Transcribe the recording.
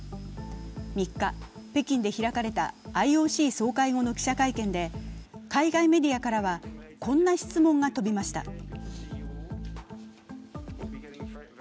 ３日、北京で開かれたＩＯＣ総会後の記者会見で、海外メディアからはこんな質問が飛びました。